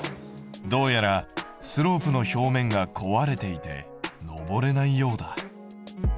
どうやらスロープの表面が壊れていて上れないようだ。